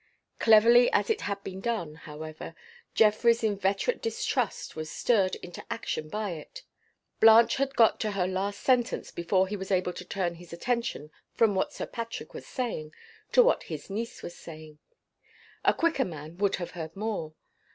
Cleverly as it had been done, however, Geoffrey's inveterate distrust was stirred into action by it. Blanche had got to her last sentence before he was able to turn his attention from what Sir Patrick was saying to what his niece was saying. A quicker man would have heard more.